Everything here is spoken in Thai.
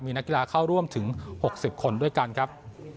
มีนักกีฬาเข้าร่วมถึง๖๐คนด้วยกันครับ